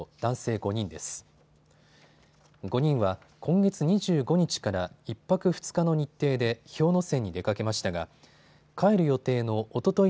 ５人は今月２５日から１泊２日の日程で氷ノ山に出かけましたが帰る予定のおととい